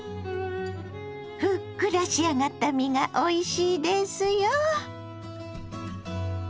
ふっくら仕上がった身がおいしいですよ。